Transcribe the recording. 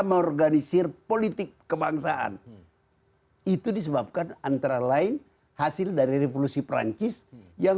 mengorganisir politik kebangsaan itu disebabkan antara lain hasil dari revolusi perancis yang